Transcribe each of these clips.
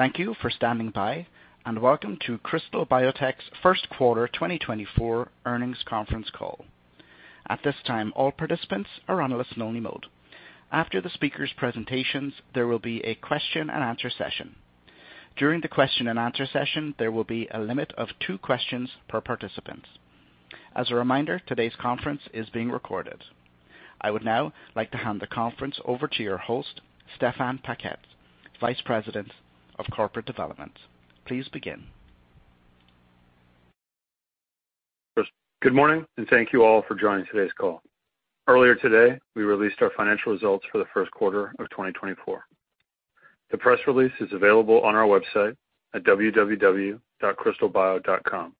Thank you for standing by, and welcome to Krystal Biotech's first quarter 2024 earnings conference call. At this time, all participants are on a listen-only mode. After the speakers' presentations, there will be a Q&A session. During the Q&A session, there will be a limit of two questions per participant. As a reminder, today's conference is being recorded. I would now like to hand the conference over to your host, Stephane Paquette, Vice President of Corporate Development. Please begin. Good morning, and thank you all for joining today's call. Earlier today, we released our financial results for the first quarter of 2024. The press release is available on our website at www.krystalbio.com.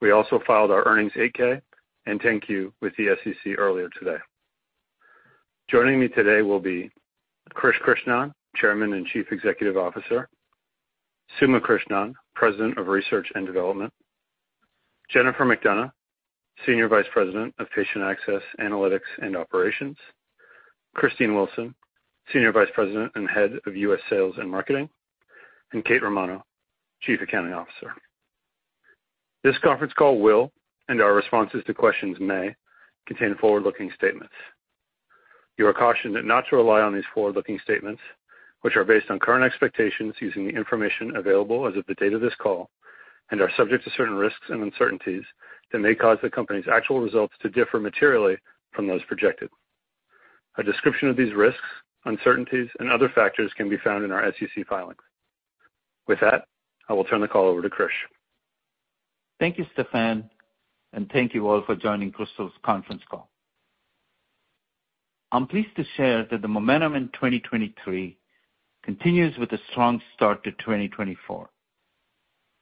We also filed our earnings 8-K and 10-Q with the SEC earlier today. Joining me today will be Krish Krishnan, Chairman and Chief Executive Officer, Suma Krishnan, President of Research and Development, Jennifer McDonough, Senior Vice President of Patient Access, Analytics and Operations, Christine Wilson, Senior Vice President and Head of U.S. Sales and Marketing, and Kate Romano, Chief Accounting Officer. This conference call will, and our responses to questions may, contain forward-looking statements. You are cautioned not to rely on these forward-looking statements, which are based on current expectations using the information available as of the date of this call and are subject to certain risks and uncertainties that may cause the company's actual results to differ materially from those projected. A description of these risks, uncertainties, and other factors can be found in our SEC filings. With that, I will turn the call over to Krish. Thank you, Stephane, and thank you all for joining Krystal's conference call. I'm pleased to share that the momentum in 2023 continues with a strong start to 2024,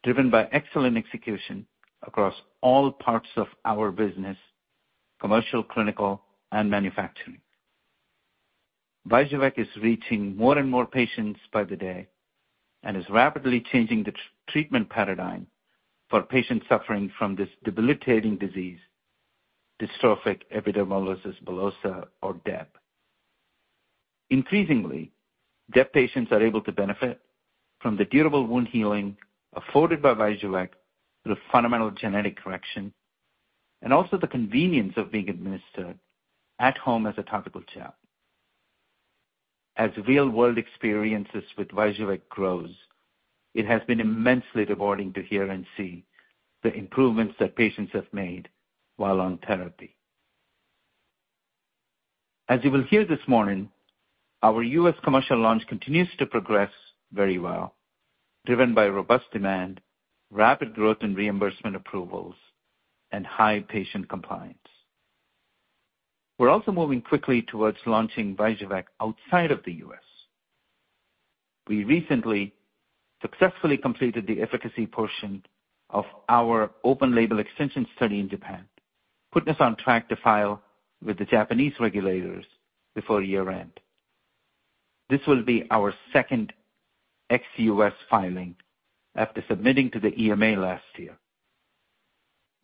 driven by excellent execution across all parts of our business, commercial, clinical, and manufacturing. VYJUVEK is reaching more and more patients by the day and is rapidly changing the treatment paradigm for patients suffering from this debilitating disease, dystrophic epidermolysis bullosa or DEB. Increasingly, DEB patients are able to benefit from the durable wound healing afforded by VYJUVEK through the fundamental genetic correction and also the convenience of being administered at home as a topical gel. As real-world experiences with VYJUVEK grows, it has been immensely rewarding to hear and see the improvements that patients have made while on therapy. As you will hear this morning, our U.S. commercial launch continues to progress very well, driven by robust demand, rapid growth in reimbursement approvals, and high patient compliance. We're also moving quickly towards launching VYJUVEK outside of the U.S. We recently successfully completed the efficacy portion of our Open Label Extension study in Japan, putting us on track to file with the Japanese regulators before year-end. This will be our second ex-U.S. filing after submitting to the EMA last year.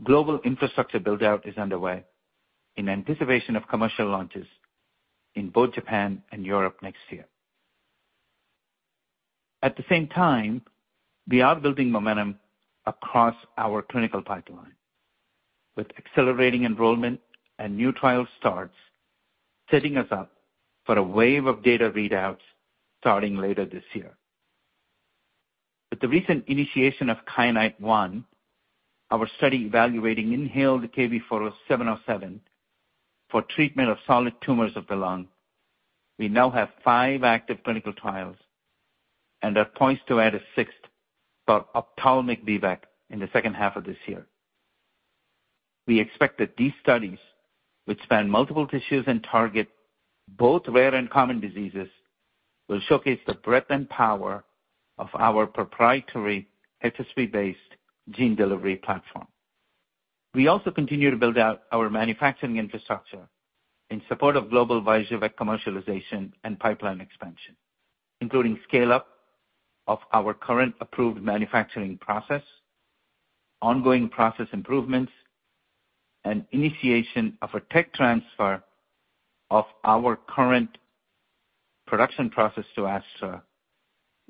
Global infrastructure build-out is underway in anticipation of commercial launches in both Japan and Europe next year. At the same time, we are building momentum across our clinical pipeline, with accelerating enrollment and new trial starts, setting us up for a wave of data readouts starting later this year. With the recent initiation of KYANITE-1, our study evaluating inhaled KB707 for treatment of solid tumors of the lung, we now have five active clinical trials and are poised to add a 6th for ophthalmic B-VEC in the second half of this year. We expect that these studies, which span multiple tissues and target both rare and common diseases, will showcase the breadth and power of our proprietary HSV-1-based gene delivery platform. We also continue to build out our manufacturing infrastructure in support of global VYJUVEK commercialization and pipeline expansion, including scale-up of our current approved manufacturing process, ongoing process improvements, and initiation of a tech transfer of our current production process to ASTRA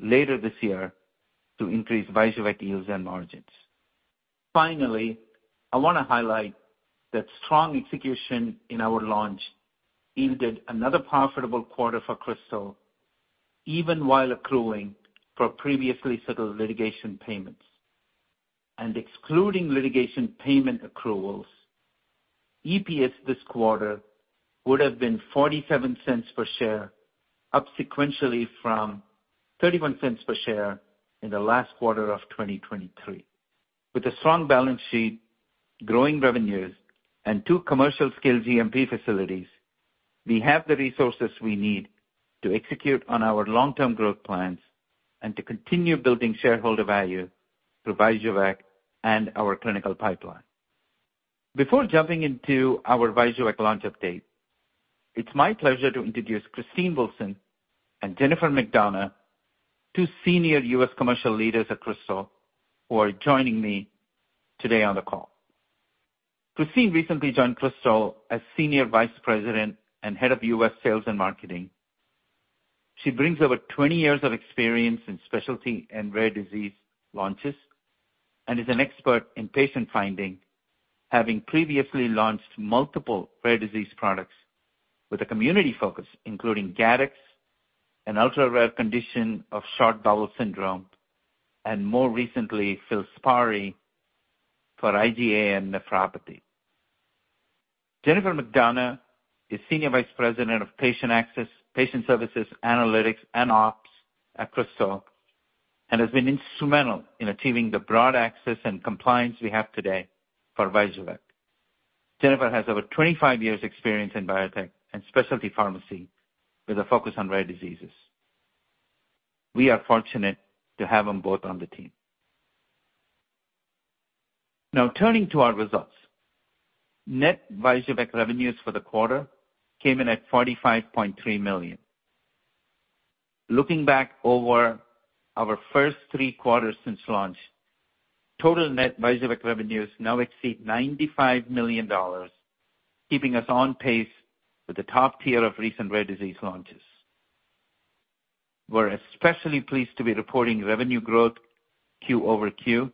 later this year to increase VYJUVEK yields and margins. Finally, I want to highlight that strong execution in our launch yielded another profitable quarter for Krystal, even while accruing for previously settled litigation payments. Excluding litigation payment accruals, EPS this quarter would have been $0.47 per share, up sequentially from $0.31 per share in the last quarter of 2023. With a strong balance sheet, growing revenues, and 2 commercial-scale GMP facilities, we have the resources we need to execute on our long-term growth plans and to continue building shareholder value through VYJUVEK and our clinical pipeline. Before jumping into our VYJUVEK launch update, it's my pleasure to introduce Christine Wilson and Jennifer McDonough, two senior U.S. commercial leaders at Krystal, who are joining me today on the call. Christine recently joined Krystal as Senior Vice President and Head of U.S. Sales and Marketing. She brings over 20 years of experience in specialty and rare disease launches and is an expert in patient finding, having previously launched multiple rare disease products with a community focus, including Gattex, an ultra-rare condition of short bowel syndrome, and more recently, FILSPARI for IgA nephropathy. Jennifer McDonough is Senior Vice President of Patient Access, Patient Services, Analytics, and Ops at Krystal, and has been instrumental in achieving the broad access and compliance we have today for VYJUVEK. Jennifer has over 25 years experience in biotech and specialty pharmacy with a focus on rare diseases. We are fortunate to have them both on the team. Now, turning to our results. Net VYJUVEK revenues for the quarter came in at $45.3 million. Looking back over our first three quarters since launch, total net VYJUVEK revenues now exceed $95 million, keeping us on pace with the top tier of recent rare disease launches. We're especially pleased to be reporting revenue growth quarter-over-quarter,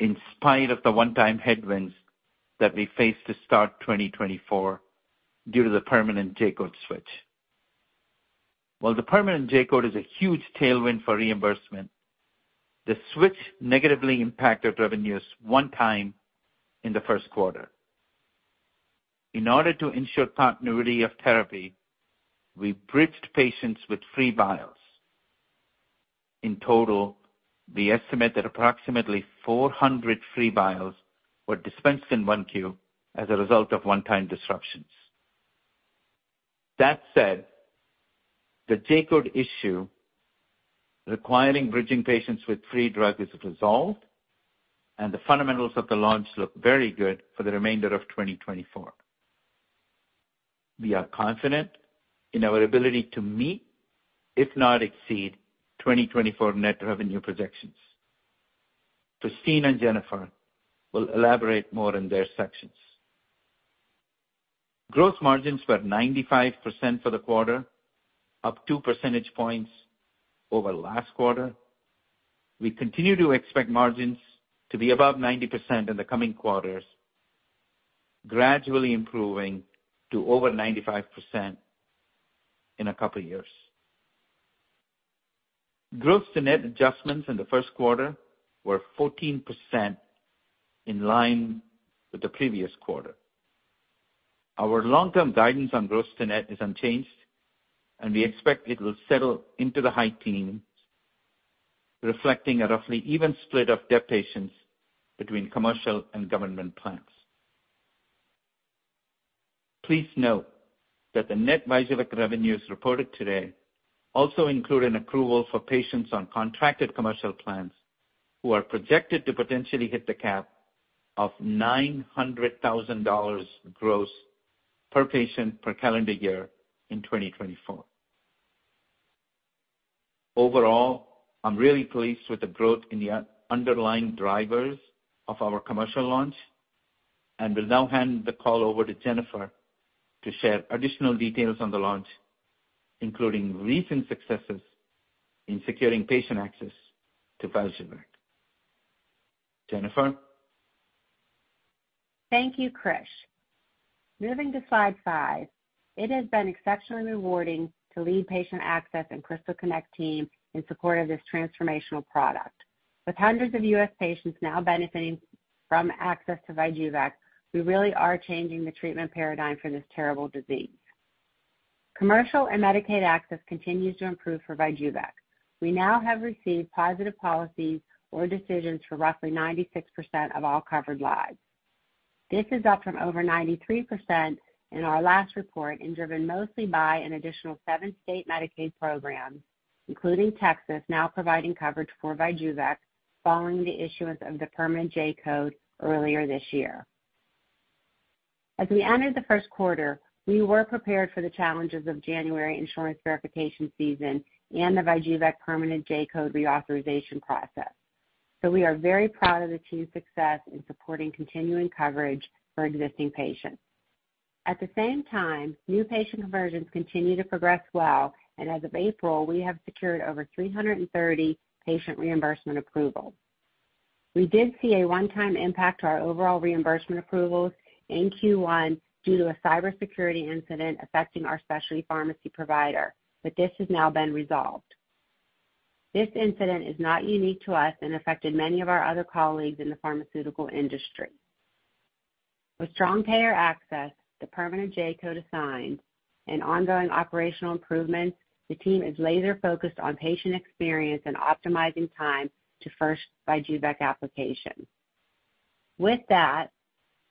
in spite of the one-time headwinds that we faced to start 2024 due to the permanent J-code switch. While the permanent J-code is a huge tailwind for reimbursement, the switch negatively impacted revenues one time in the first quarter. In order to ensure continuity of therapy, we bridged patients with free vials. In total, we estimate that approximately 400 free vials were dispensed in Q1 as a result of one-time disruptions. That said, the J-code issue requiring bridging patients with free drug is resolved, and the fundamentals of the launch look very good for the remainder of 2024. We are confident in our ability to meet, if not exceed, 2024 net revenue projections. Christine and Jennifer will elaborate more in their sections. Gross margins were 95% for the quarter, up two percentage points over last quarter. We continue to expect margins to be above 90% in the coming quarters, gradually improving to over 95% in a couple of years. Gross to net adjustments in the first quarter were 14% in line with the previous quarter. Our long-term guidance on gross to net is unchanged, and we expect it will settle into the high teens, reflecting a roughly even split of DEB patients between commercial and government plans. Please note that the net VYJUVEK revenues reported today also include an accrual for patients on contracted commercial plans who are projected to potentially hit the cap of $900,000 gross per patient per calendar year in 2024. Overall, I'm really pleased with the growth in the underlying drivers of our commercial launch and will now hand the call over to Jennifer to share additional details on the launch, including recent successes in securing patient access to VYJUVEK. Jennifer? Thank you, Krish. Moving to slide five. It has been exceptionally rewarding to lead patient access and Krystal Connect team in support of this transformational product. With hundreds of U.S. patients now benefiting from access to VYJUVEK, we really are changing the treatment paradigm for this terrible disease. Commercial and Medicaid access continues to improve for VYJUVEK. We now have received positive policies or decisions for roughly 96% of all covered lives. This is up from over 93% in our last report, and driven mostly by an additional seven state Medicaid programs, including Texas, now providing coverage for VYJUVEK, following the issuance of the permanent J-code earlier this year. As we entered the first quarter, we were prepared for the challenges of January insurance verification season and the VYJUVEK permanent J-code reauthorization process. So we are very proud of the team's success in supporting continuing coverage for existing patients. At the same time, new patient conversions continue to progress well, and as of April, we have secured over 330 patient reimbursement approvals. We did see a one-time impact to our overall reimbursement approvals in Q1 due to a cybersecurity incident affecting our specialty pharmacy provider, but this has now been resolved. This incident is not unique to us and affected many of our other colleagues in the pharmaceutical industry. With strong payer access, the permanent J-code assigned, and ongoing operational improvements, the team is laser-focused on patient experience and optimizing time to first VYJUVEK application. With that,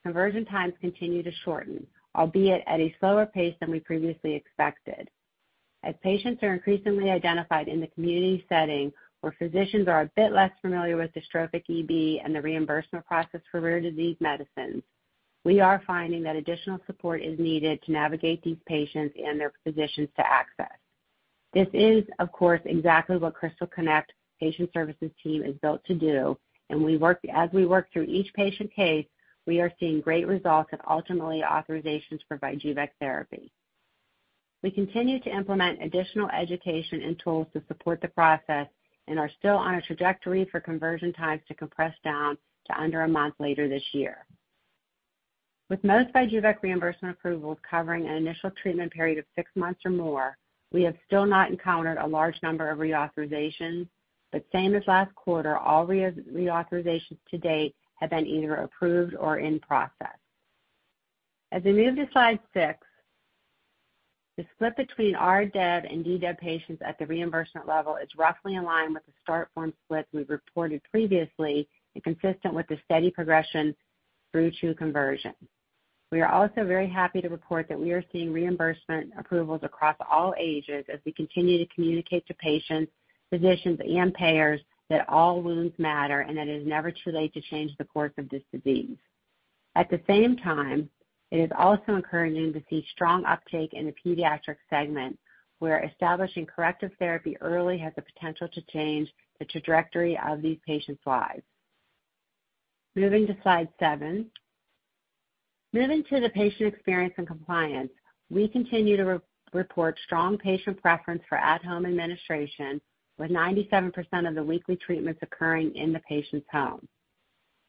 conversion times continue to shorten, albeit at a slower pace than we previously expected. As patients are increasingly identified in the community setting, where physicians are a bit less familiar with dystrophic EB and the reimbursement process for rare disease medicines, we are finding that additional support is needed to navigate these patients and their physicians to access. This is, of course, exactly what Krystal Connect patient services team is built to do, and as we work through each patient case, we are seeing great results and ultimately authorizations for VYJUVEK therapy. We continue to implement additional education and tools to support the process and are still on a trajectory for conversion times to compress down to under a month later this year. With most VYJUVEK reimbursement approvals covering an initial treatment period of six months or more, we have still not encountered a large number of reauthorizations, but same as last quarter, all reauthorizations to date have been either approved or in process. As we move to slide six, the split between our DEB and DDEB patients at the reimbursement level is roughly in line with the start form split we've reported previously and consistent with the steady progression through to conversion. We are also very happy to report that we are seeing reimbursement approvals across all ages as we continue to communicate to patients, physicians, and payers that all wounds matter and that it is never too late to change the course of this disease. At the same time, it is also encouraging to see strong uptake in the pediatric segment, where establishing corrective therapy early has the potential to change the trajectory of these patients' lives. Moving to slide 7. Moving to the patient experience and compliance, we continue to report strong patient preference for at-home administration, with 97% of the weekly treatments occurring in the patient's home.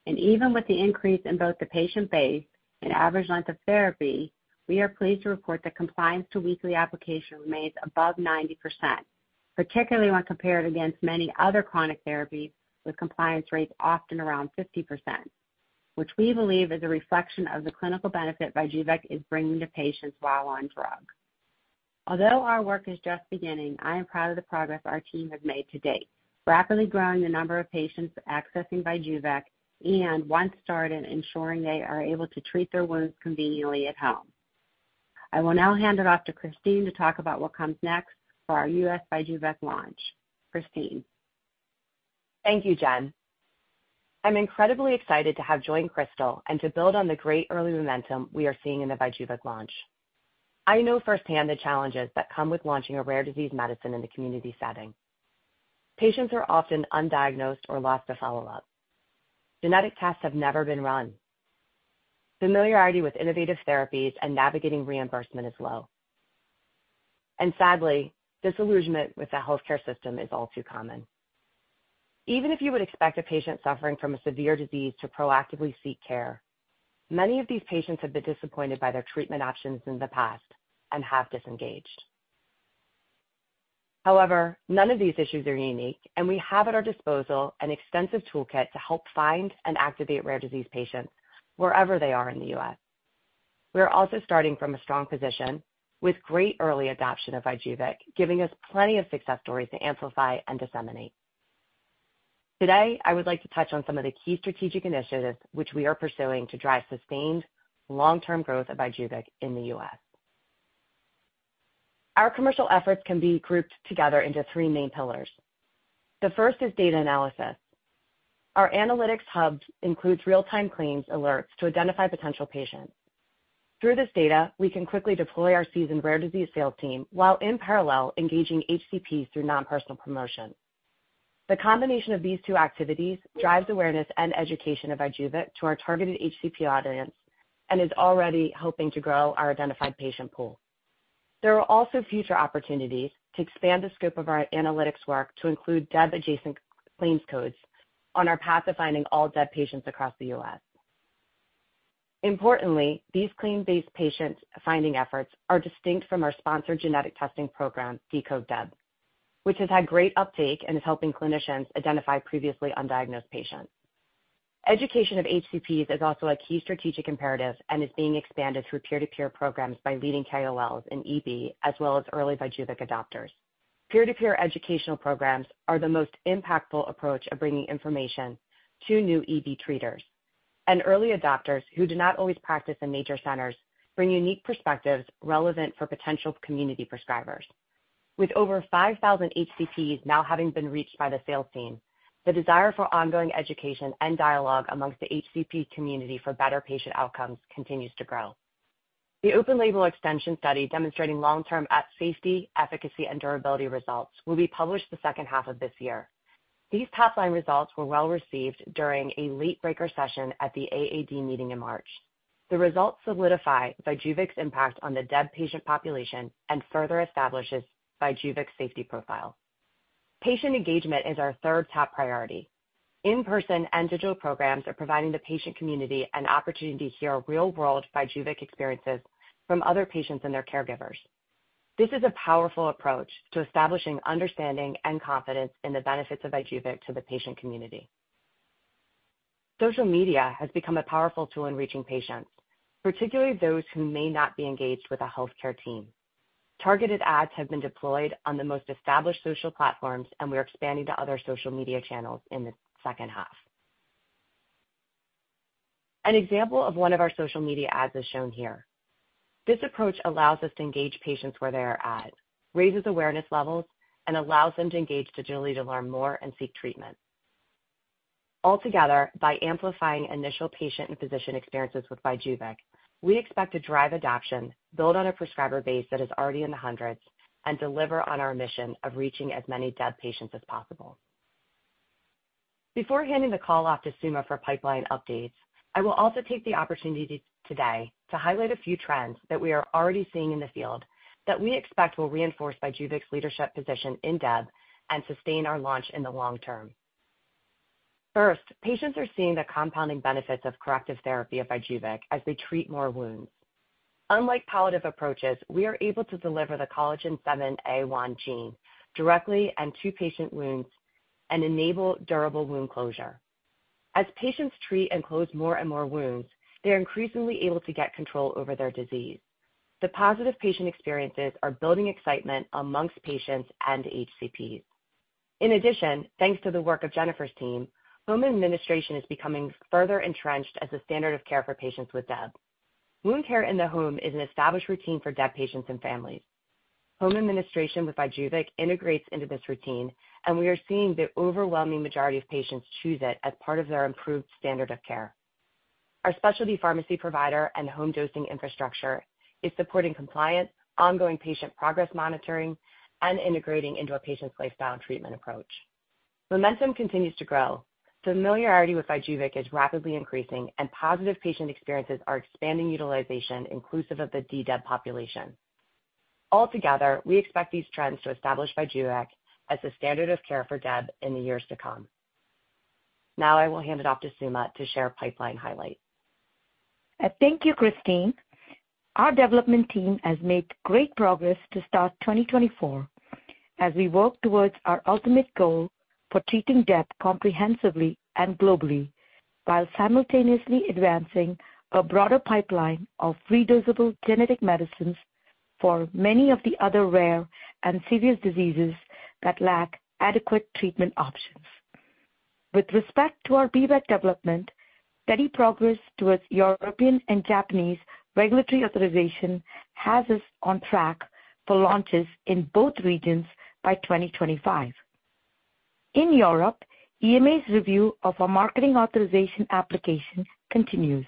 Even with the increase in both the patient base and average length of therapy, we are pleased to report that compliance to weekly application remains above 90%, particularly when compared against many other chronic therapies, with compliance rates often around 50%, which we believe is a reflection of the clinical benefit VYJUVEK is bringing to patients while on drug. Although our work is just beginning, I am proud of the progress our team has made to date, rapidly growing the number of patients accessing VYJUVEK, and once started, ensuring they are able to treat their wounds conveniently at home. I will now hand it off to Christine to talk about what comes next for our U.S. VYJUVEK launch. Christine? Thank you, Jen. I'm incredibly excited to have joined Krystal and to build on the great early momentum we are seeing in the VYJUVEK launch. I know firsthand the challenges that come with launching a rare disease medicine in the community setting. Patients are often undiagnosed or lost to follow-up. Genetic tests have never been run. Familiarity with innovative therapies and navigating reimbursement is low. And sadly, disillusionment with the healthcare system is all too common. Even if you would expect a patient suffering from a severe disease to proactively seek care, many of these patients have been disappointed by their treatment options in the past and have disengaged. However, none of these issues are unique, and we have at our disposal an extensive toolkit to help find and activate rare disease patients wherever they are in the U.S. We are also starting from a strong position, with great early adoption of VYJUVEK, giving us plenty of success stories to amplify and disseminate. Today, I would like to touch on some of the key strategic initiatives which we are pursuing to drive sustained long-term growth of VYJUVEK in the U.S. Our commercial efforts can be grouped together into three main pillars. The first is data analysis. Our analytics hub includes real-time claims alerts to identify potential patients. Through this data, we can quickly deploy our seasoned rare disease sales team, while in parallel, engaging HCPs through non-personal promotion. The combination of these two activities drives awareness and education of VYJUVEK to our targeted HCP audience and is already helping to grow our identified patient pool. There are also future opportunities to expand the scope of our analytics work to include DEB-adjacent claims codes on our path to finding all DEB patients across the US. Importantly, these claim-based patient finding efforts are distinct from our sponsored genetic testing program, Decode DEB, which has had great uptake and is helping clinicians identify previously undiagnosed patients. Education of HCPs is also a key strategic imperative and is being expanded through peer-to-peer programs by leading KOLs in EB, as well as early VYJUVEK adopters. Peer-to-peer educational programs are the most impactful approach of bringing information to new EB treaters, and early adopters who do not always practice in major centers bring unique perspectives relevant for potential community prescribers. With over 5,000 HCPs now having been reached by the sales team, the desire for ongoing education and dialogue amongst the HCP community for better patient outcomes continues to grow. The Open Label Extension study, demonstrating long-term data safety, efficacy, and durability results, will be published the second half of this year. These top-line results were well received during a late-breaker session at the AAD meeting in March. The results solidify VYJUVEK's impact on the DEB patient population and further establishes VYJUVEK's safety profile. Patient engagement is our third top priority. In-person and digital programs are providing the patient community an opportunity to hear real-world VYJUVEK experiences from other patients and their caregivers. This is a powerful approach to establishing understanding and confidence in the benefits of VYJUVEK to the patient community. Social media has become a powerful tool in reaching patients, particularly those who may not be engaged with a healthcare team. Targeted ads have been deployed on the most established social platforms, and we are expanding to other social media channels in the second half. An example of one of our social media ads is shown here. This approach allows us to engage patients where they are at, raises awareness levels, and allows them to engage digitally to learn more and seek treatment. Altogether, by amplifying initial patient and physician experiences with VYJUVEK, we expect to drive adoption, build on a prescriber base that is already in the hundreds, and deliver on our mission of reaching as many DEB patients as possible. Before handing the call off to Suma for pipeline updates, I will also take the opportunity today to highlight a few trends that we are already seeing in the field that we expect will reinforce VYJUVEK's leadership position in DEB and sustain our launch in the long term. First, patients are seeing the compounding benefits of corrective therapy of VYJUVEK as they treat more wounds. Unlike palliative approaches, we are able to deliver the collagen 7A1 gene directly and to patient wounds and enable durable wound closure. As patients treat and close more and more wounds, they're increasingly able to get control over their disease. The positive patient experiences are building excitement among patients and HCPs. In addition, thanks to the work of Jennifer's team, home administration is becoming further entrenched as a standard of care for patients with DEB. Wound care in the home is an established routine for DEB patients and families. Home administration with VYJUVEK integrates into this routine, and we are seeing the overwhelming majority of patients choose it as part of their improved standard of care. Our specialty pharmacy provider and home dosing infrastructure is supporting compliance, ongoing patient progress monitoring, and integrating into a patient's lifestyle and treatment approach. Momentum continues to grow. Familiarity with VYJUVEK is rapidly increasing, and positive patient experiences are expanding utilization inclusive of the DDEB population. Altogether, we expect these trends to establish VYJUVEK as the standard of care for DEB in the years to come. Now I will hand it off to Suma to share pipeline highlights. Thank you, Christine. Our development team has made great progress to start 2024 as we work towards our ultimate goal for treating DEB comprehensively and globally, while simultaneously advancing a broader pipeline of redosable genetic medicines for many of the other rare and serious diseases that lack adequate treatment options. With respect to our B-VEC development, steady progress towards European and Japanese regulatory authorization has us on track for launches in both regions by 2025. In Europe, EMA's review of our marketing authorization application continues.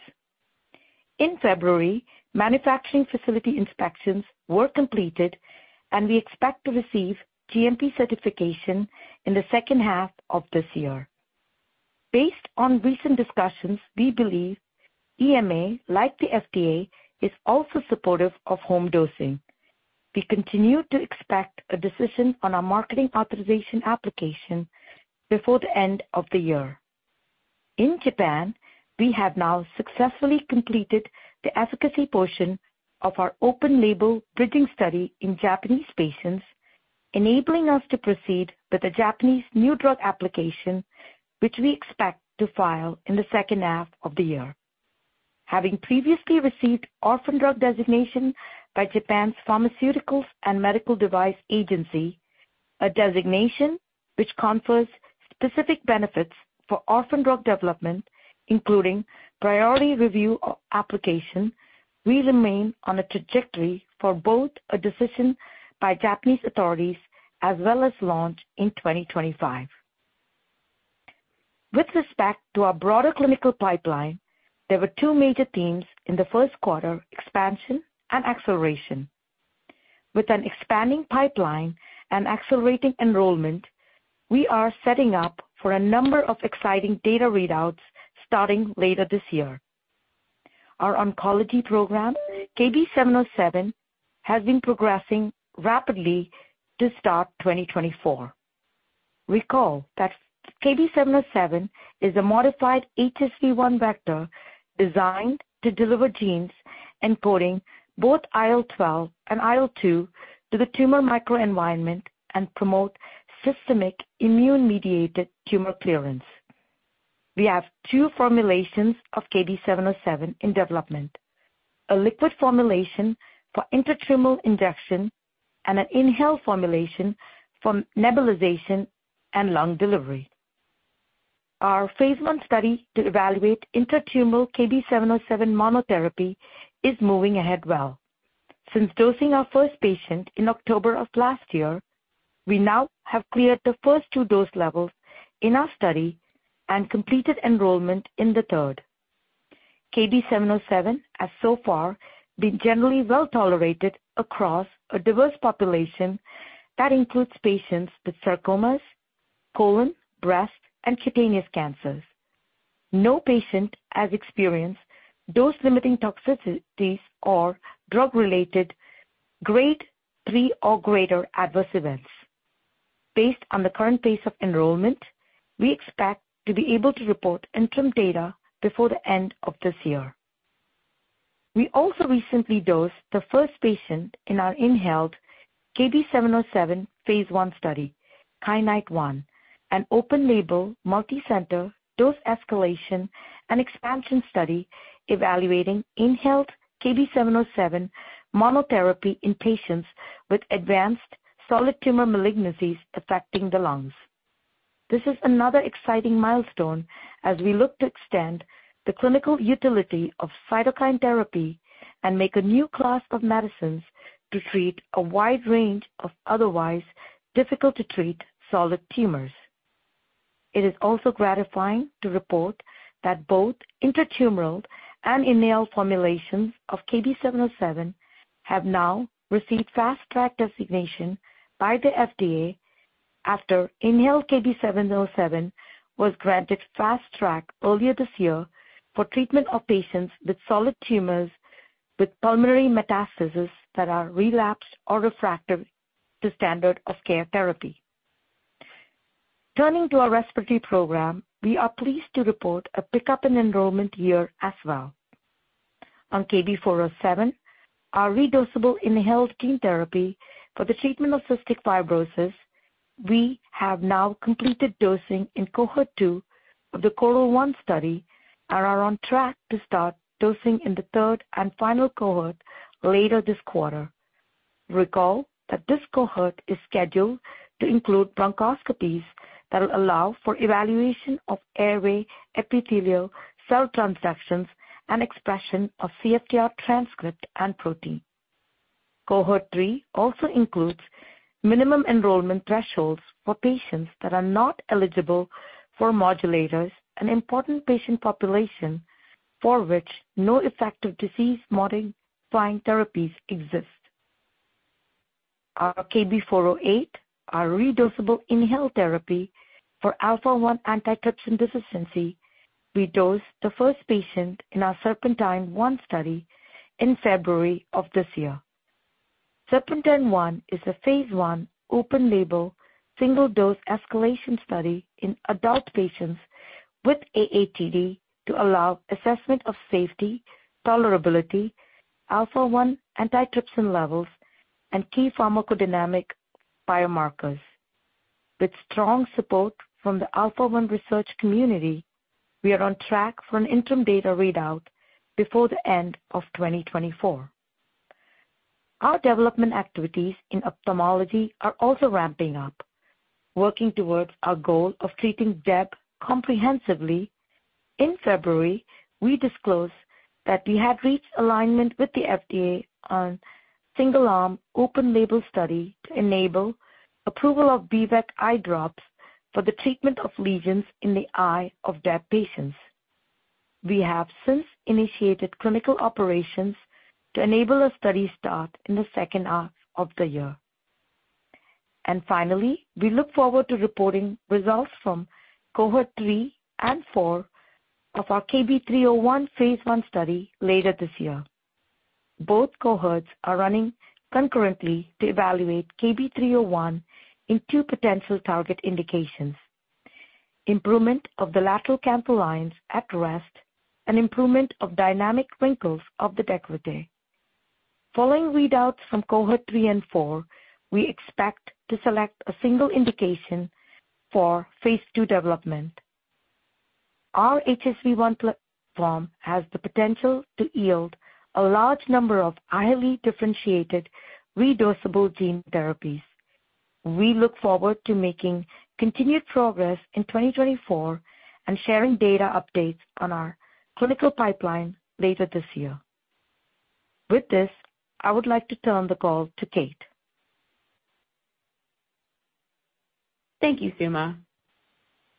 In February, manufacturing facility inspections were completed, and we expect to receive GMP certification in the second half of this year. Based on recent discussions, we believe EMA, like the FDA, is also supportive of home dosing. We continue to expect a decision on our marketing authorization application before the end of the year. In Japan, we have now successfully completed the efficacy portion of our open-label bridging study in Japanese patients, enabling us to proceed with the Japanese new drug application, which we expect to file in the second half of the year. Having previously received orphan drug designation by Japan's Pharmaceuticals and Medical Devices Agency, a designation which confers specific benefits for orphan drug development, including priority review application, we remain on a trajectory for both a decision by Japanese authorities as well as launch in 2025. With respect to our broader clinical pipeline, there were two major themes in the first quarter, expansion and acceleration. With an expanding pipeline and accelerating enrollment, we are setting up for a number of exciting data readouts starting later this year. Our oncology program, KB707, has been progressing rapidly to start 2024. Recall that KB707 is a modified HSV-1 vector designed to deliver genes encoding both IL-12 and IL-2 to the tumor microenvironment and promote systemic immune-mediated tumor clearance. We have two formulations of KB707 in development, a liquid formulation for intratumoral injection and an inhaled formulation for nebulization and lung delivery. Our phase I study to evaluate intratumoral KB707 monotherapy is moving ahead well. Since dosing our first patient in October of last year, we now have cleared the first two dose levels in our study and completed enrollment in the third. KB707 has so far been generally well tolerated across a diverse population that includes patients with sarcomas, colon, breast, and cutaneous cancers. No patient has experienced dose-limiting toxicities or drug-related grade 3 or greater adverse events. Based on the current pace of enrollment, we expect to be able to report interim data before the end of this year. We also recently dosed the first patient in our inhaled KB707 phase I study, KYANITE-1, an open-label, multicenter dose escalation and expansion study evaluating inhaled KB707 monotherapy in patients with advanced solid tumor malignancies affecting the lungs. This is another exciting milestone as we look to extend the clinical utility of cytokine therapy and make a new class of medicines to treat a wide range of otherwise difficult-to-treat solid tumors. It is also gratifying to report that both intratumoral and inhaled formulations of KB707 have now received Fast Track designation by the FDA after inhaled KB707 was granted Fast Track earlier this year for treatment of patients with solid tumors, with pulmonary metastases that are relapsed or refractory to standard of care therapy. Turning to our respiratory program, we are pleased to report a pickup in enrollment here as well. On KB407, our redosable inhaled gene therapy for the treatment of cystic fibrosis, we have now completed dosing in Cohort II of the CORAL-1 study and are on track to start dosing in the third and final Cohort later this quarter. Recall that this Cohort is scheduled to include bronchoscopies that will allow for evaluation of airway epithelial cell transfections and expression of CFTR transcript and protein. Cohort III also includes minimum enrollment thresholds for patients that are not eligible for modulators, an important patient population for which no effective disease-modifying therapies exist. Our KB408, our redosable inhaled therapy for alpha-1 antitrypsin deficiency, we dosed the first patient in our SERPENTINE-1 study in February of this year. SERPENTINE-1 is a phase 1, open-label, single-dose escalation study in adult patients with AATD to allow assessment of safety, tolerability, alpha-1 antitrypsin levels, and key pharmacodynamic biomarkers. With strong support from the alpha-1 research community, we are on track for an interim data readout before the end of 2024. Our development activities in ophthalmology are also ramping up, working towards our goal of treating DEB comprehensively. In February, we disclosed that we have reached alignment with the FDA on single-arm, open-label study to enable approval of B-VEC eye drops for the treatment of lesions in the eye of DEB patients. We have since initiated clinical operations to enable a study start in the second half of the year. And finally, we look forward to reporting results from Cohort III and IV of our KB301 phase I study later this year. Both cohorts are running concurrently to evaluate KB301 in two potential target indications: improvement of the lateral canthal lines at rest and improvement of dynamic wrinkles of the décolleté. Following readouts from Cohort III and IV, we expect to select a single indication for phase II development. Our HSV-1 platform has the potential to yield a large number of highly differentiated redosable gene therapies. We look forward to making continued progress in 2024 and sharing data updates on our clinical pipeline later this year. With this, I would like to turn the call to Kate. Thank you, Suma.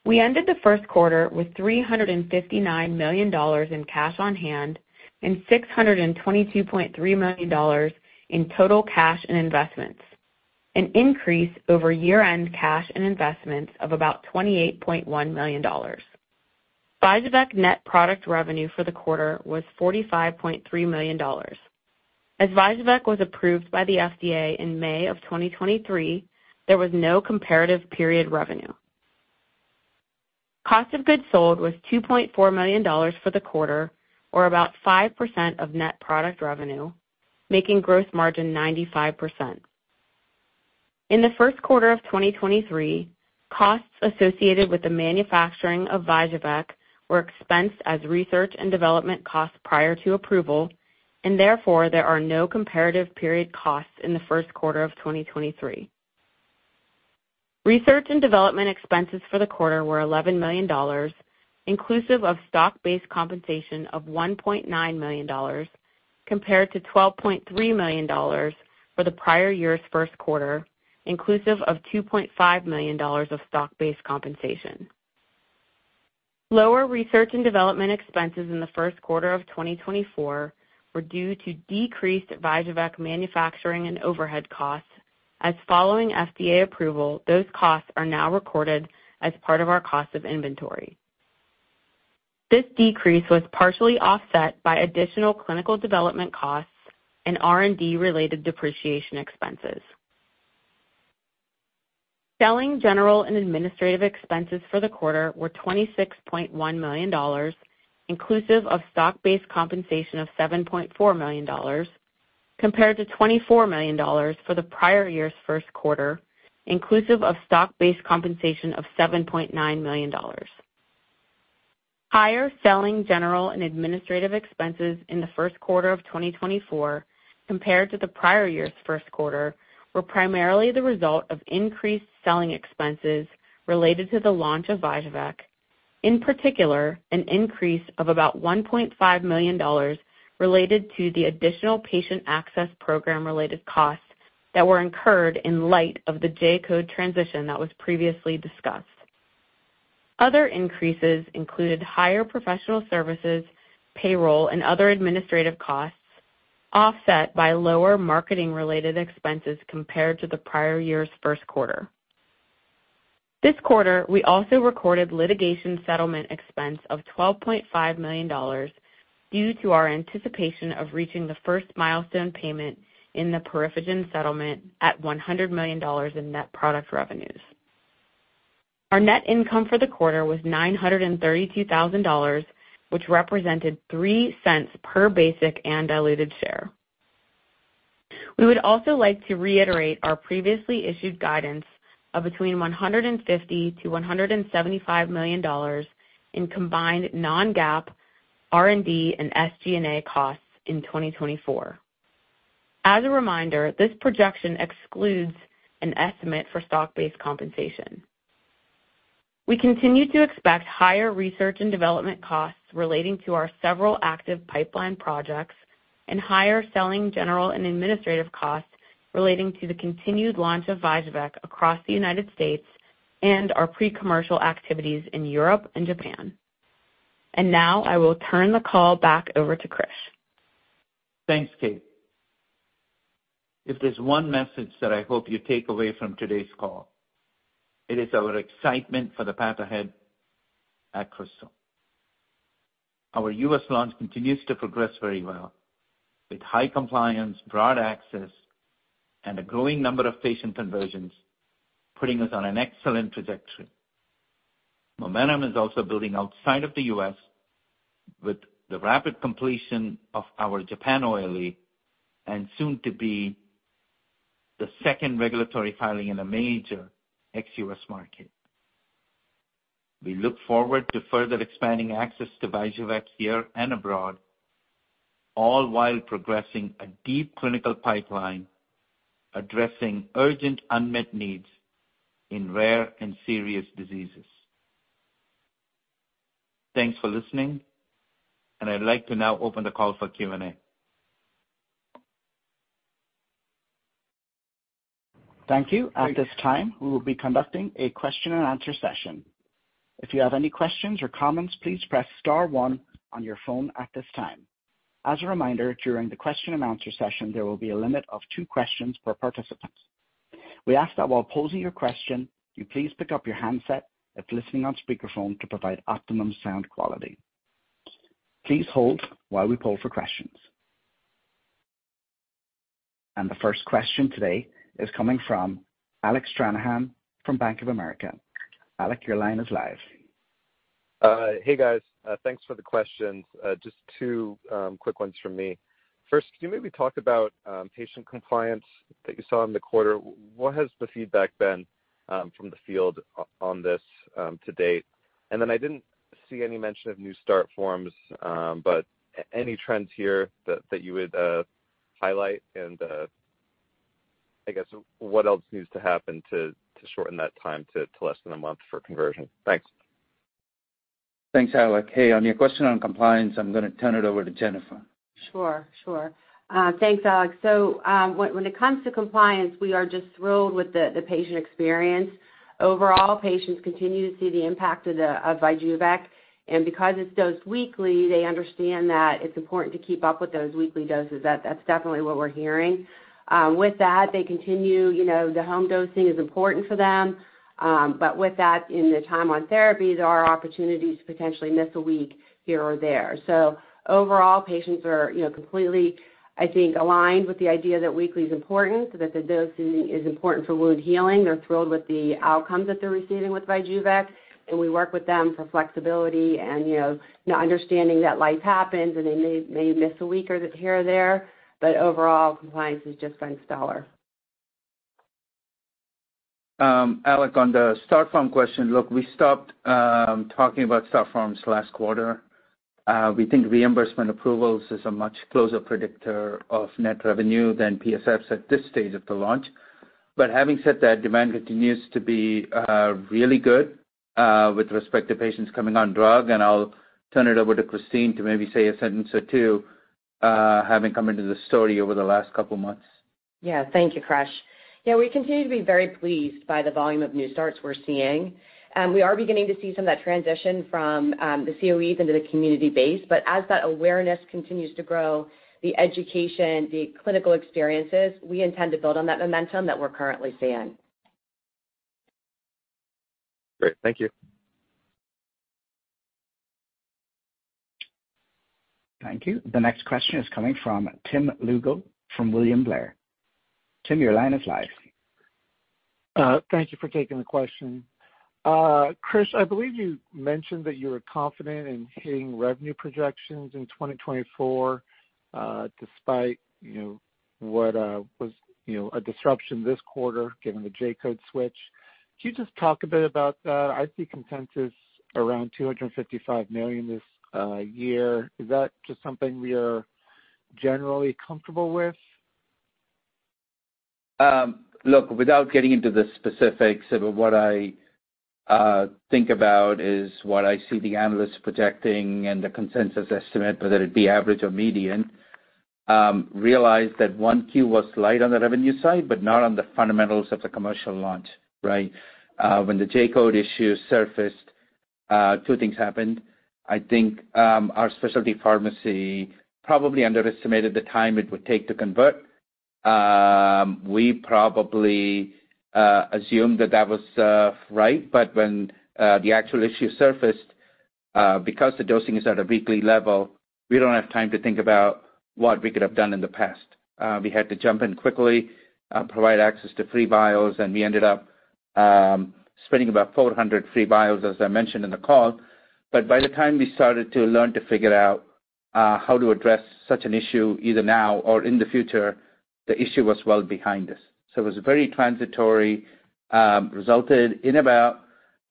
We ended the first quarter with $359 million in cash on hand and $622.3 million in total cash and investments, an increase over year-end cash and investments of about $28.1 million. VYJUVEK's net product revenue for the quarter was $45.3 million. As VYJUVEK was approved by the FDA in May of 2023, there was no comparative period revenue. Cost of goods sold was $2.4 million for the quarter, or about 5% of net product revenue, making gross margin 95%. In the first quarter of 2023, costs associated with the manufacturing of VYJUVEK were expensed as research and development costs prior to approval, and therefore, there are no comparative period costs in the first quarter of 2023. Research and development expenses for the quarter were $11 million, inclusive of stock-based compensation of $1.9 million, compared to $12.3 million for the prior year's first quarter, inclusive of $2.5 million of stock-based compensation. Lower research and development expenses in the first quarter of 2024 were due to decreased VYJUVEK manufacturing and overhead costs, as following FDA approval, those costs are now recorded as part of our cost of inventory. This decrease was partially offset by additional clinical development costs and R&D-related depreciation expenses. Selling, general, and administrative expenses for the quarter were $26.1 million, inclusive of stock-based compensation of $7.4 million, compared to $24 million for the prior year's first quarter, inclusive of stock-based compensation of $7.9 million. Higher selling, general, and administrative expenses in the first quarter of 2024 compared to the prior year's first quarter were primarily the result of increased selling expenses related to the launch of VYJUVEK, in particular, an increase of about $1.5 million related to the additional patient access program-related costs that were incurred in light of the J-code transition that was previously discussed. Other increases included higher professional services, payroll, and other administrative costs, offset by lower marketing-related expenses compared to the prior year's first quarter. This quarter, we also recorded litigation settlement expense of $12.5 million due to our anticipation of reaching the first milestone payment in the PeriphaGen settlement at $100 million in net product revenues. Our net income for the quarter was $932,000, which represented 3 cents per basic and diluted share. We would also like to reiterate our previously issued guidance of between $150 million to $175 million in combined non-GAAP, R&D, and SG&A costs in 2024. As a reminder, this projection excludes an estimate for stock-based compensation. We continue to expect higher research and development costs relating to our several active pipeline projects and higher selling general and administrative costs relating to the continued launch of VYJUVEK across the United States and our pre-commercial activities in Europe and Japan. Now, I will turn the call back over to Krish. Thanks, Kate. If there's one message that I hope you take away from today's call, it is our excitement for the path ahead at Krystal. Our U.S. launch continues to progress very well, with high compliance, broad access, and a growing number of patient conversions, putting us on an excellent trajectory. Momentum is also building outside of the U.S. with the rapid completion of our Japan OLE and soon to be the second regulatory filing in a major ex-U.S. market. We look forward to further expanding access to VYJUVEK here and abroad, all while progressing a deep clinical pipeline, addressing urgent unmet needs in rare and serious diseases. Thanks for listening, and I'd like to now open the call for Q&A. Thank you. At this time, we will be conducting a Q&A session. If you have any questions or comments, please press star one on your phone at this time. As a reminder, during the Q&A session, there will be a limit of two questions per participant. We ask that while posing your question, you please pick up your handset if listening on speakerphone to provide optimum sound quality. Please hold while we poll for questions. And the first question today is coming from Alec Stranahan from Bank of America. Alec, your line is live. Hey, guys. Thanks for the questions. Just two quick ones from me. First, can you maybe talk about patient compliance that you saw in the quarter? What has the feedback been from the field on this to date? And then I didn't see any mention of new start forms, but any trends here that you would highlight? And I guess, what else needs to happen to shorten that time to less than a month for conversion? Thanks. Thanks, Alec. Hey, on your question on compliance, I'm gonna turn it over to Jennifer. Sure, sure. Thanks, Alec. So, when it comes to compliance, we are just thrilled with the patient experience. Overall, patients continue to see the impact of VYJUVEK, and because it's dosed weekly, they understand that it's important to keep up with those weekly doses. That's definitely what we're hearing. With that, they continue, you know, the home dosing is important for them, but with that, in the time on therapy, there are opportunities to potentially miss a week here or there. So overall, patients are, you know, completely, I think, aligned with the idea that weekly is important, that the dosing is important for wound healing. They're thrilled with the outcomes that they're receiving with VYJUVEK, and we work with them for flexibility and, you know, understanding that life happens, and they may, may miss a week or here or there, but overall, compliance has just been stellar. Alec, on the start form question, look, we stopped talking about start forms last quarter. We think reimbursement approvals is a much closer predictor of net revenue than PSFs at this stage of the launch. But having said that, demand continues to be really good with respect to patients coming on drug, and I'll turn it over to Christine to maybe say a sentence or two, having come into the story over the last couple months. Yeah. Thank you, Krish. Yeah, we continue to be very pleased by the volume of new starts we're seeing. We are beginning to see some of that transition from the COEs into the community base. But as that awareness continues to grow, the education, the clinical experiences, we intend to build on that momentum that we're currently seeing. Great. Thank you. Thank you. The next question is coming from Tim Lugo, from William Blair. Tim, your line is live. Thank you for taking the question. Krish, I believe you mentioned that you were confident in hitting revenue projections in 2024, despite, you know, what was, you know, a disruption this quarter, given the J-code switch. Can you just talk a bit about that? I see consensus around $255 million this year. Is that just something we are generally comfortable with? Look, without getting into the specifics of what I think about is what I see the analysts projecting and the consensus estimate, whether it be average or median, realize that one Q was light on the revenue side, but not on the fundamentals of the commercial launch, right? When the J-code issue surfaced, two things happened. I think, our specialty pharmacy probably underestimated the time it would take to convert. We probably assumed that that was right, but when the actual issue surfaced, because the dosing is at a weekly level, we don't have time to think about what we could have done in the past. We had to jump in quickly, provide access to free vials, and we ended up spending about 400 free vials, as I mentioned in the call. But by the time we started to learn to figure out how to address such an issue, either now or in the future, the issue was well behind us. So it was very transitory, resulted in about,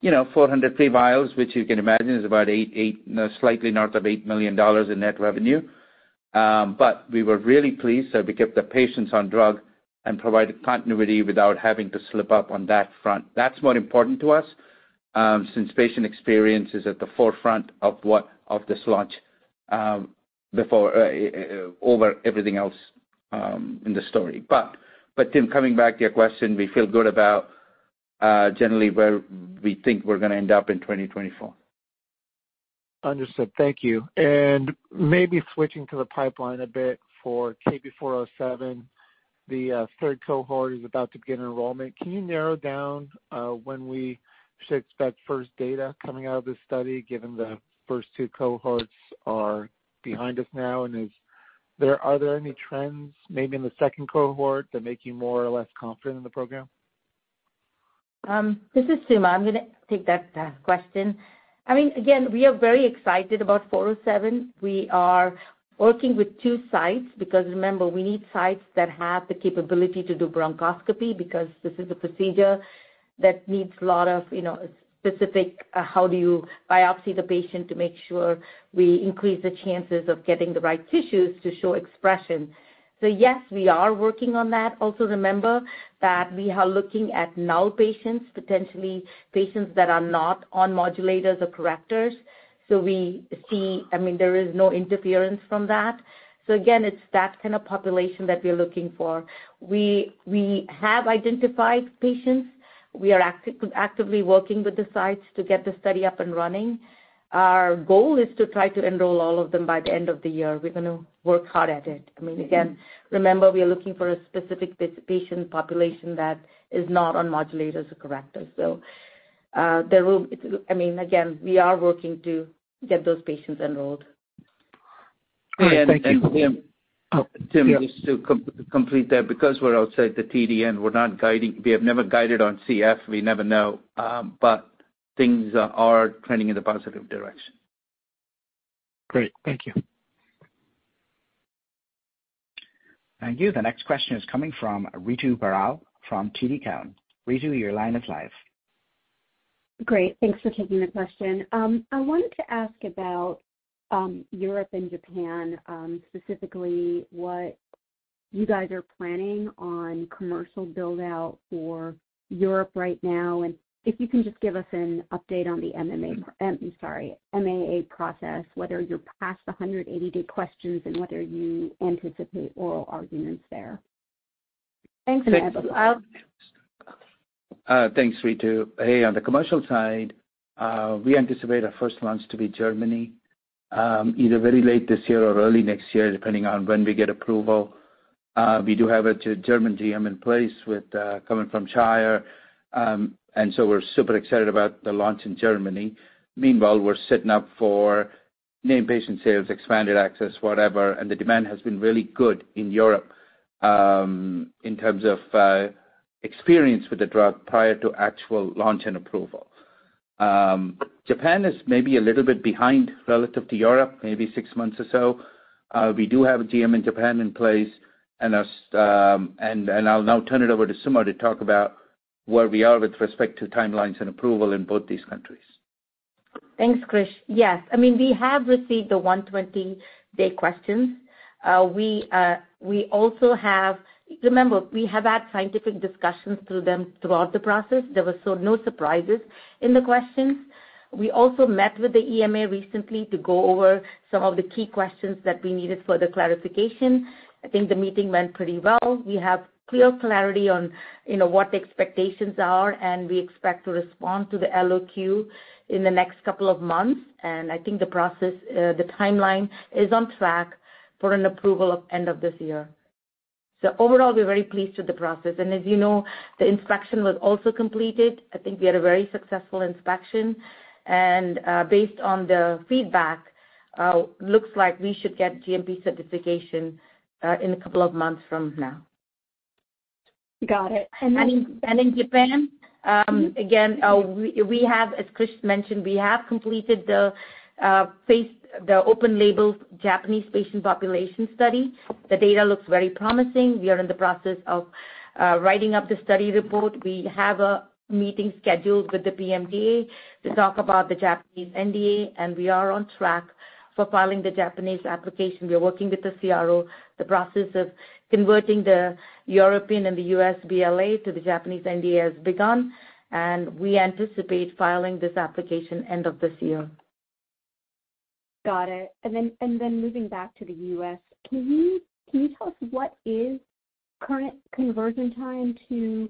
you know, 400 free vials, which you can imagine is about eight, slightly north of $8 million in net revenue. But we were really pleased that we kept the patients on drug and provided continuity without having to slip up on that front. That's more important to us, since patient experience is at the forefront of what of this launch, before over everything else in the story. But Tim, coming back to your question, we feel good about generally where we think we're gonna end up in 2024. Understood. Thank you. Maybe switching to the pipeline a bit for KB407, the third Cohort is about to begin enrollment. Can you narrow down when we should expect first data coming out of this study, given the first two Cohorts are behind us now, and are there any trends maybe in the second Cohort that make you more or less confident in the program? This is Suma. I'm gonna take that question. I mean, again, we are very excited about 407. We are working with two sites, because remember, we need sites that have the capability to do bronchoscopy, because this is a procedure that needs a lot of, you know, specific, how do you biopsy the patient to make sure we increase the chances of getting the right tissues to show expression. So yes, we are working on that. Also, remember that we are looking at null patients, potentially patients that are not on modulators or correctors. So we see. I mean, there is no interference from that. So again, it's that kind of population that we're looking for. We have identified patients. We are actively working with the sites to get the study up and running. Our goal is to try to enroll all of them by the end of the year. We're gonna work hard at it. I mean, again, remember, we are looking for a specific patient population that is not on modulators or correctors. So, I mean, again, we are working to get those patients enrolled. Great. Thank you. And, Tim, just to complete that, because we're outside the TDN, we're not guiding. We have never guided on CF. We never know, but things are trending in a positive direction. Great. Thank you. Thank you. The next question is coming from Ritu Baral from TD Cowen. Ritu, your line is live. Great, thanks for taking the question. I wanted to ask about Europe and Japan, specifically what you guys are planning on commercial build-out for Europe right now, and if you can just give us an update on the MMA, I'm sorry, MAA process, whether you're past the 180-day questions and whether you anticipate oral arguments there. Thanks, Ritu. Hey, on the commercial side, we anticipate our first launch to be Germany, either very late this year or early next year, depending on when we get approval. We do have a German GM in place with, coming from Shire, and so we're super excited about the launch in Germany. Meanwhile, we're setting up for named patient sales, expanded access, whatever, and the demand has been really good in Europe, in terms of, experience with the drug prior to actual launch and approval. Japan is maybe a little bit behind relative to Europe, maybe six months or so. We do have a GM in Japan in place, and I'll now turn it over to Suma to talk about where we are with respect to timelines and approval in both these countries. Thanks, Krish. Yes, I mean, we have received the 120-day questions. We also have had scientific discussions with them throughout the process. There were no surprises in the questions. We also met with the EMA recently to go over some of the key questions that we needed further clarification. I think the meeting went pretty well. We have clarity on, you know, what the expectations are, and we expect to respond to the LOQ in the next couple of months. I think the process, the timeline is on track for an approval of end of this year. So overall, we're very pleased with the process. As you know, the inspection was also completed. I think we had a very successful inspection, and based on the feedback, looks like we should get GMP certification in a couple of months from now. Got it. And then. In Japan, again, as Krish mentioned, we have completed the phase, the open-label Japanese patient population study. The data looks very promising. We are in the process of writing up the study report. We have a meeting scheduled with the PMDA to talk about the Japanese NDA, and we are on track for filing the Japanese application. We are working with the CRO. The process of converting the European and the U.S. BLA to the Japanese NDA has begun, and we anticipate filing this application end of this year. Got it. And then moving back to the US, can you tell us what is current conversion time to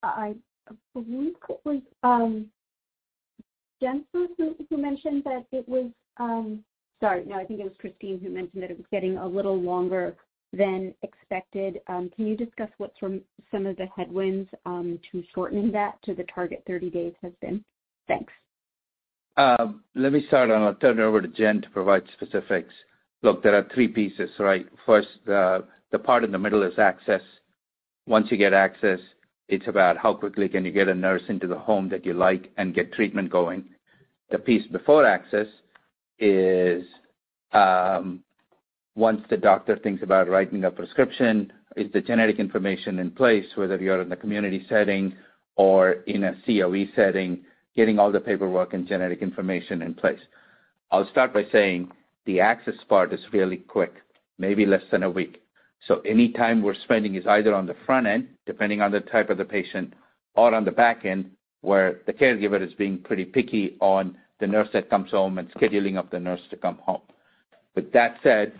commercial? I believe it was Jen first who mentioned that it was. Sorry, no, I think it was Christine who mentioned that it was getting a little longer than expected. Can you discuss what some of the headwinds to shortening that to the target 30 days has been? Thanks. Let me start, and I'll turn it over to Jen to provide specifics. Look, there are three pieces, right? First, the part in the middle is access. Once you get access, it's about how quickly can you get a nurse into the home that you like and get treatment going. The piece before access is, once the doctor thinks about writing a prescription, is the genetic information in place, whether you're in a community setting or in a COE setting, getting all the paperwork and genetic information in place. I'll start by saying the access part is fairly quick, maybe less than a week. So any time we're spending is either on the front end, depending on the type of the patient, or on the back end, where the caregiver is being pretty picky on the nurse that comes home and scheduling up the nurse to come home. With that said,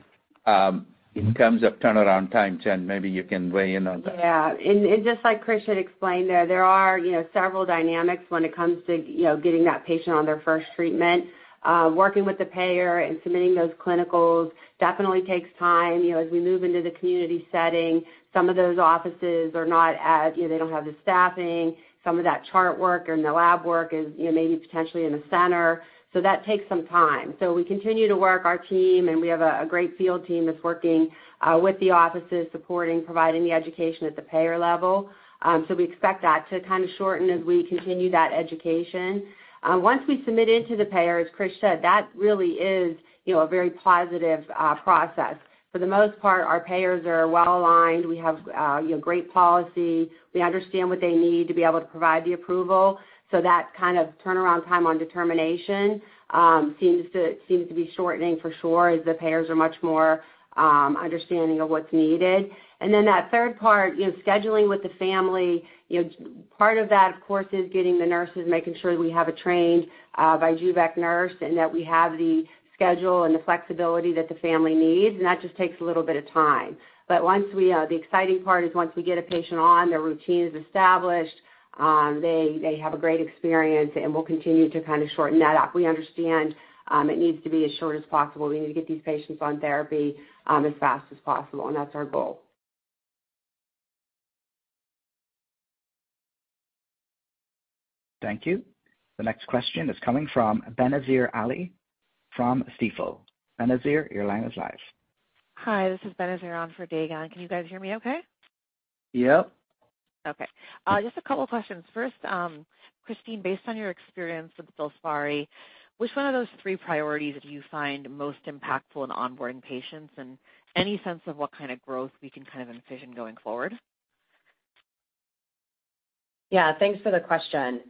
in terms of turnaround time, Jen, maybe you can weigh in on that. Yeah. And just like Krish had explained, there are, you know, several dynamics when it comes to, you know, getting that patient on their first treatment. Working with the payer and submitting those clinicals definitely takes time. You know, as we move into the community setting, some of those offices are not as they don't have the staffing. Some of that chart work or the lab work is, you know, maybe potentially in the center, so that takes some time. So we continue to work our team, and we have a great field team that's working with the offices, supporting, providing the education at the payer level. So we expect that to kind of shorten as we continue that education. Once we submit it to the payer, as Krish said, that really is, you know, a very positive process. For the most part, our payers are well aligned. We have, you know, great policy. We understand what they need to be able to provide the approval, so that kind of turnaround time on determination seems to, seems to be shortening for sure, as the payers are much more understanding of what's needed. And then that third part, you know, scheduling with the family, you know, part of that, of course, is getting the nurses, making sure we have a trained VYJUVEK nurse and that we have the schedule and the flexibility that the family needs, and that just takes a little bit of time. But once we, the exciting part is once we get a patient on, their routine is established, they, they have a great experience, and we'll continue to kind of shorten that up. We understand, it needs to be as short as possible. We need to get these patients on therapy, as fast as possible, and that's our goal. Thank you. The next question is coming from Benazir Ali, from Stifel. Benazir, your line is live. Hi, this is Benazir on for Dae Gon. Can you guys hear me okay? Yep. Okay. Just a couple questions. First, Christine, based on your experience with FILSPARI, which one of those three priorities do you find most impactful in onboarding patients, and any sense of what kind of growth we can kind of envision going forward? Yeah, thanks for the question.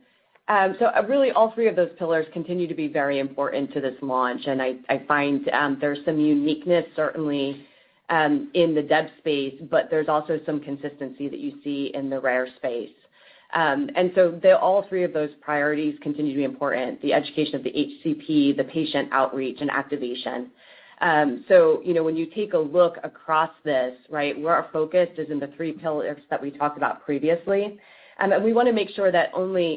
So really, all three of those pillars continue to be very important to this launch, and I find, there's some uniqueness, certainly, in the DEB space, but there's also some consistency that you see in the rare space. And so all three of those priorities continue to be important, the education of the HCP, the patient outreach, and activation. So you know, when you take a look across this, right, where our focus is in the three pillars that we talked about previously, and we wanna make sure that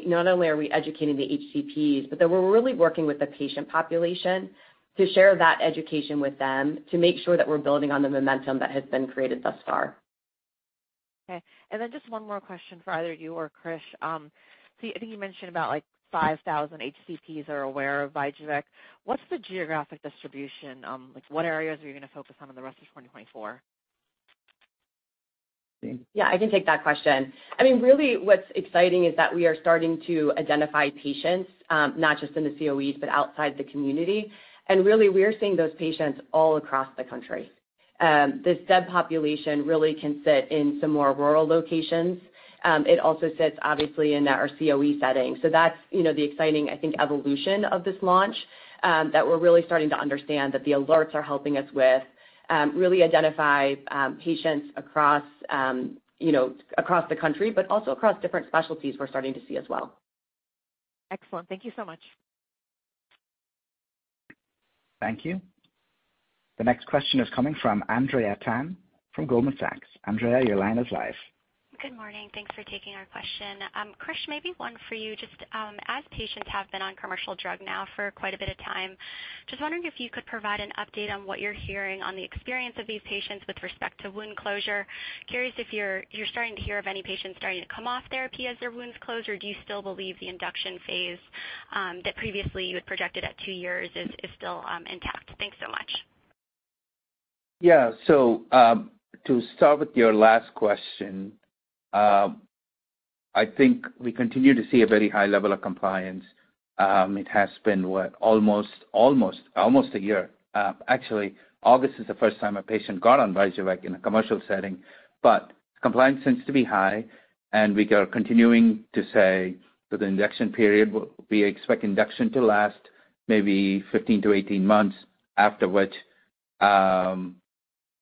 not only are we educating the HCPs, but that we're really working with the patient population to share that education with them, to make sure that we're building on the momentum that has been created thus far. Okay, and then just one more question for either you or Krish. So I think you mentioned about, like, 5,000 HCPs are aware of VYJUVEK. What's the geographic distribution? Like, what areas are you gonna focus on in the rest of 2024? Yeah, I can take that question. I mean, really, what's exciting is that we are starting to identify patients, not just in the COEs, but outside the community. And really, we're seeing those patients all across the country. This subpopulation really can sit in some more rural locations. It also sits obviously in our COE setting. So that's, you know, the exciting, I think, evolution of this launch, that we're really starting to understand, that the alerts are helping us with, really identify patients across, you know, across the country, but also across different specialties we're starting to see as well. Excellent. Thank you so much. Thank you. The next question is coming from Andrea Tan from Goldman Sachs. Andrea, your line is live. Good morning. Thanks for taking our question. Krish, maybe one for you. Just, as patients have been on commercial drug now for quite a bit of time, just wondering if you could provide an update on what you're hearing on the experience of these patients with respect to wound closure. Curious if you're, you're starting to hear of any patients starting to come off therapy as their wounds close, or do you still believe the induction phase, that previously you had projected at two years is, is still, intact? Thanks so much. Yeah. So, to start with your last question, I think we continue to see a very high level of compliance. It has been, what? Almost, almost, almost a year. Actually, August is the first time a patient got on VYJUVEK in a commercial setting, but compliance seems to be high, and we are continuing to say that the induction period, we expect induction to last maybe 15-18 months, after which,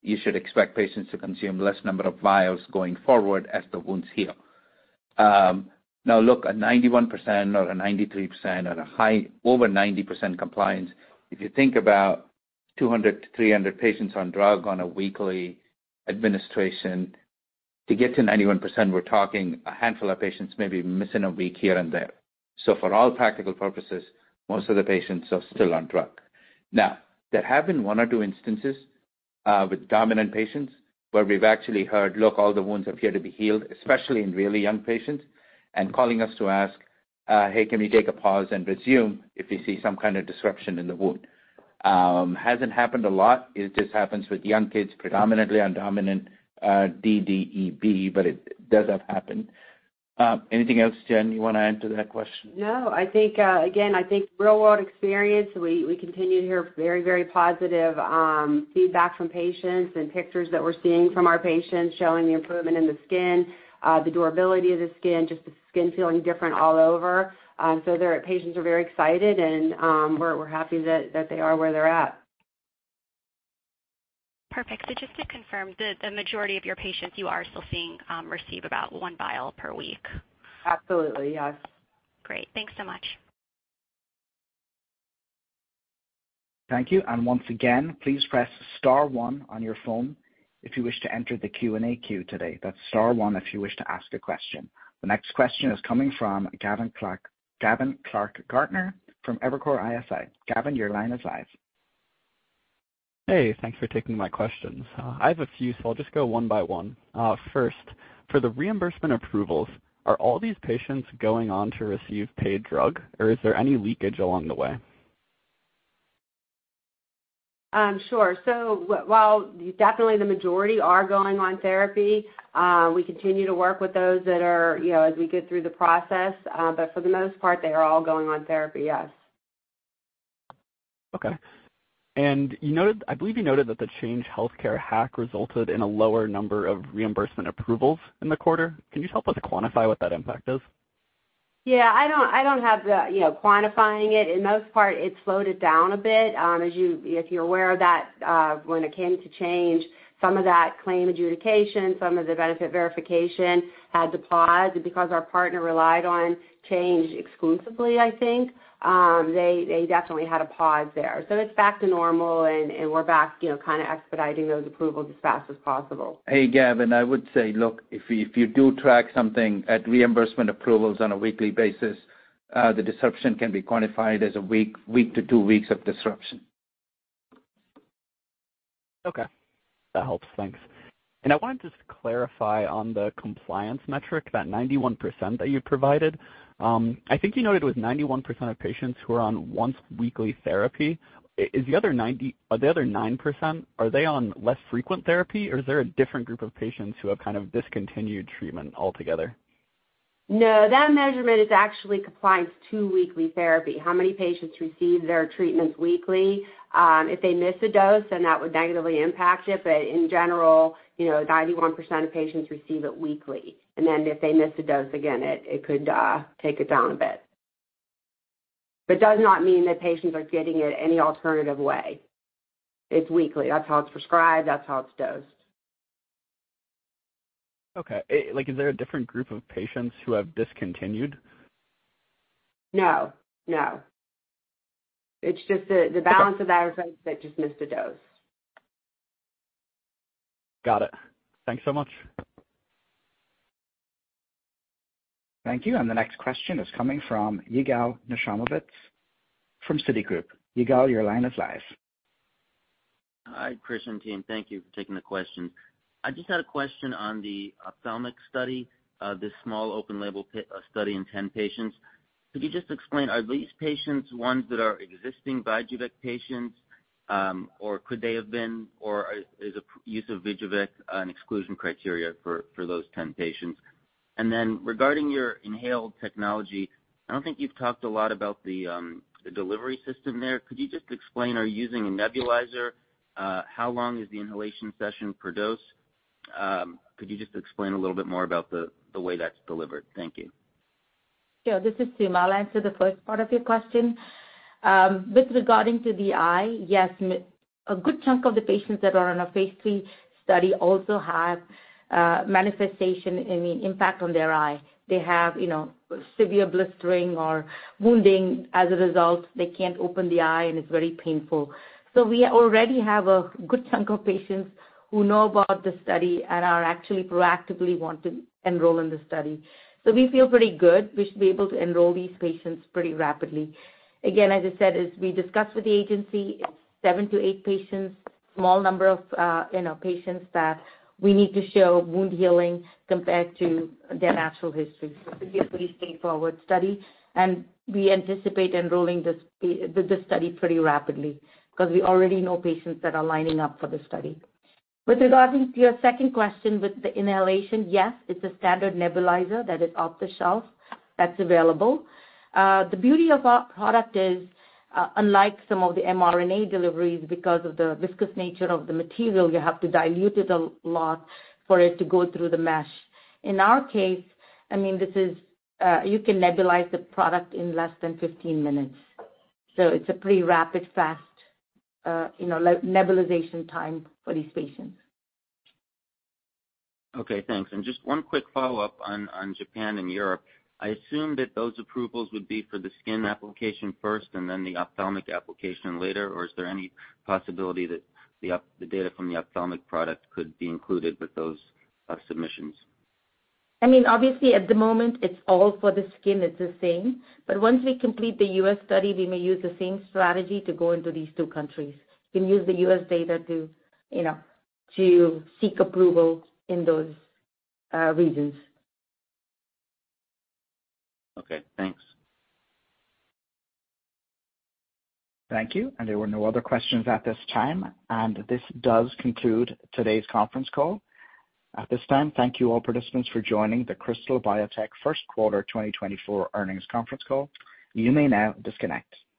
you should expect patients to consume less number of vials going forward as the wounds heal. Now look, at 91% or a 93% or a high over 90% compliance, if you think about 200-300 patients on drug on a weekly administration, to get to 91%, we're talking a handful of patients maybe missing a week here and there. So for all practical purposes, most of the patients are still on drug. Now, there have been one or two instances with dominant patients where we've actually heard, "Look, all the wounds appear to be healed," especially in really young patients, and calling us to ask, "Hey, can we take a pause and resume if we see some kind of disruption in the wound?" Hasn't happened a lot. It just happens with young kids, predominantly on dominant DDEB, but it does have happened. Anything else, Jen, you want to add to that question? No, I think, again, I think real-world experience, we, we continue to hear very, very positive feedback from patients and pictures that we're seeing from our patients, showing the improvement in the skin, the durability of the skin, just the skin feeling different all over. So their patients are very excited, and, we're, we're happy that, that they are where they're at. Perfect. So just to confirm, the majority of your patients you are still seeing receive about one vial per week? Absolutely, yes. Great. Thanks so much. Thank you. And once again, please press star one on your phone if you wish to enter the Q&A queue today. That's star one if you wish to ask a question. The next question is coming from Gavin Clark-Gartner from Evercore ISI. Gavin, your line is live. Hey, thanks for taking my questions. I have a few, so I'll just go one by one. First, for the reimbursement approvals, are all these patients going on to receive paid drug, or is there any leakage along the way? Sure. So while definitely the majority are going on therapy, we continue to work with those that are, you know, as we get through the process, but for the most part, they are all going on therapy, yes. Okay. I believe you noted that the Change Healthcare hack resulted in a lower number of reimbursement approvals in the quarter. Can you help us quantify what that impact is? Yeah, I don't have the, you know, quantifying it. In most part, it slowed it down a bit. As you, if you're aware that, when it came to Change, some of that claim adjudication, some of the benefit verification had to pause because our partner relied on Change exclusively, I think, they definitely had to pause there. So it's back to normal, and we're back, you know, kind of expediting those approvals as fast as possible. Hey, Gavin, I would say, look, if you, if you do track something at reimbursement approvals on a weekly basis, the disruption can be quantified as a week, week to two weeks of disruption. Okay, that helps. Thanks. And I wanted to clarify on the compliance metric, that 91% that you provided. I think you noted it was 91% of patients who are on once weekly therapy. Is the other nine percent, are they on less frequent therapy, or is there a different group of patients who have kind of discontinued treatment altogether? No, that measurement is actually compliance to weekly therapy. How many patients receive their treatments weekly? If they miss a dose, then that would negatively impact it. But in general, you know, 91% of patients receive it weekly. And then if they miss a dose again, it could take it down a bit. But does not mean that patients are getting it any alternative way. It's weekly. That's how it's prescribed, that's how it's dosed. Okay. Like, is there a different group of patients who have discontinued? No, no. It's just the balance of that just missed a dose. Got it. Thanks so much. Thank you. And the next question is coming from Yigal Nochomovitz from Citigroup. Yigal, your line is live. Hi, Krish and team. Thank you for taking the question. I just had a question on the ophthalmic study, this small open-label study in 10 patients. Could you just explain, are these patients ones that are existing VYJUVEK patients, or could they have been, or is, is a use of VYJUVEK an exclusion criteria for, for those 10 patients? And then regarding your inhaled technology, I don't think you've talked a lot about the, the delivery system there. Could you just explain, are you using a nebulizer? How long is the inhalation session per dose? Could you just explain a little bit more about the, the way that's delivered? Thank you. Sure. This is Suma. I'll answer the first part of your question. With regard to the eye, yes, a good chunk of the patients that are on our phase III study also have manifestation, I mean, impact on their eye. They have, you know, severe blistering or wounding. As a result, they can't open the eye, and it's very painful. So we already have a good chunk of patients who know about the study and are actually proactively want to enroll in the study. So we feel pretty good. We should be able to enroll these patients pretty rapidly. Again, as I said, as we discussed with the Agency, it's seven to eight patients, small number of, you know, patients that we need to show wound healing compared to their natural history. So it's a pretty straightforward study, and we anticipate enrolling this study pretty rapidly because we already know patients that are lining up for the study. With regard to your second question, with the inhalation, yes, it's a standard nebulizer that is off the shelf, that's available. The beauty of our product is, unlike some of the mRNA deliveries, because of the viscous nature of the material, you have to dilute it a lot for it to go through the mesh. In our case, I mean, this is, you can nebulize the product in less than 15 minutes. So it's a pretty rapid, fast, you know, nebulization time for these patients. Okay, thanks. And just one quick follow-up on Japan and Europe. I assume that those approvals would be for the skin application first and then the ophthalmic application later, or is there any possibility that the data from the ophthalmic product could be included with those submissions? I mean, obviously, at the moment, it's all for the skin, it's the same. But once we complete the U.S. study, we may use the same strategy to go into these two countries. We can use the U.S. data to, you know, to seek approval in those regions. Okay, thanks. Thank you. There were no other questions at this time, and this does conclude today's conference call. At this time, thank you, all participants, for joining the Krystal Biotech first quarter 2024 earnings conference call. You may now disconnect.